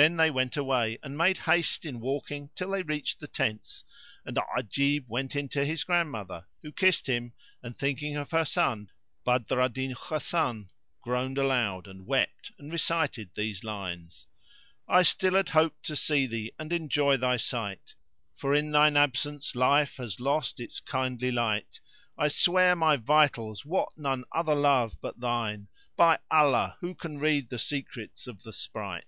Then they went away and made haste in walking till they reached the tents, and Ajib went in to his grandmother, who kissed him and, thinking of her son, Badr al Din Hasan, groaned aloud and wept and recited these lines:— "I still had hoped to see thee and enjoy thy sight, * For in thine absence life has lost its kindly light: I swear my vitals wot none other love but thine * By Allah, who can read the secrets of the sprite!"